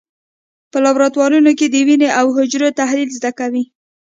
په لابراتوارونو کې د وینې او حجرو تحلیل زده کوي.